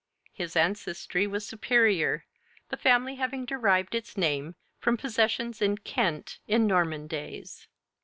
His ancestry was superior, the family having derived its name from possessions in Kent in Norman days.